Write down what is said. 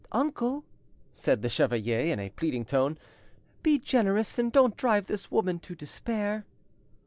"Uncle," said the chevalier in a pleading tone, "be generous, and don't drive this woman to despair."